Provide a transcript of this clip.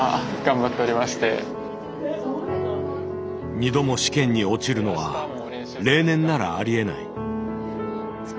２度も試験に落ちるのは例年ならありえない。